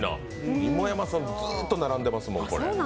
芋山さん、ずっと並んでますもん。